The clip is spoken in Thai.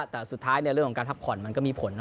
แต่สุดท้ายในเรื่องของการพักผ่อนมันก็มีผลนะ